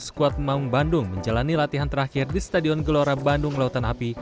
skuad maung bandung menjalani latihan terakhir di stadion gelora bandung lautan api